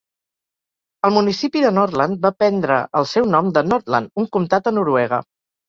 El municipi de Nordland va prendre el seu nom de Nordland, un comtat a Noruega.